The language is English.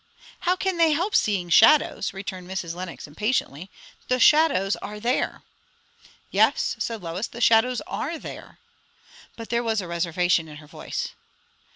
"How can they help seeing shadows?" returned Mrs. Lenox impatiently. "The shadows are there!" "Yes," said Lois, "the shadows are there." But there was a reservation in her voice.